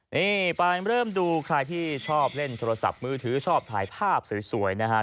นี่ไปเริ่มดูใครที่ชอบเล่นโทรศัพท์มือถือชอบถ่ายภาพสวยนะครับ